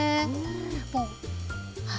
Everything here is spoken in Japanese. もうはい。